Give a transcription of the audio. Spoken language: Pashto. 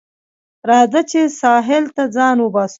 راځه چې ساحل ته ځان وباسو